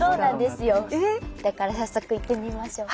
早速行ってみましょう。